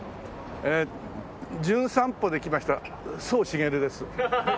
ええ『じゅん散歩』で来ました宗茂です。